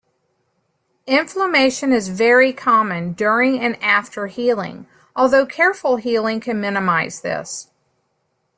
Inflammation is very common, during and after healing, although careful healing can minimize this.